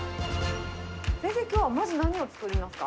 先生、きょうはまず何を作りますか？